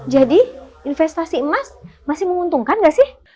jadi investasi emas masih menguntungkan gak sih